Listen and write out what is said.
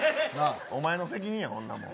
おまえの責任や、そんなもん。